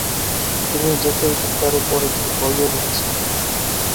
তিনি জ্যোতির্বিদ্যার উপর একটি বইও লিখেছেন।